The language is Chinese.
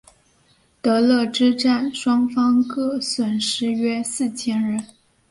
德勒之战双方各损失约四千人。